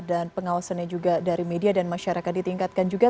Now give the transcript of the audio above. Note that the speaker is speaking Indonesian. dan pengawasannya juga dari media dan masyarakat ditingkatkan juga